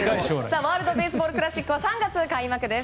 ワールド・ベースボール・クラシックは３月開幕です。